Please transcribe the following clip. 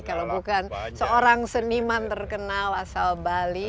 kalau bukan seorang seniman terkenal asal bali